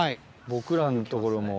僕らのところも。